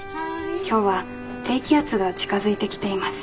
「今日は低気圧が近づいてきています。